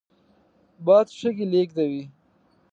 باد شګې لېږدوي